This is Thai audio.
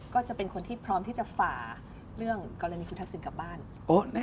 ก็จะเป็นคนที่พร้อมที่จะฝ่าเรื่องกรณีคุณทักษิณกลับบ้าน